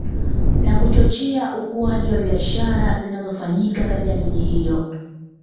Na kuchochea ukuaji wa biashara zinazofanyika katika miji hiyo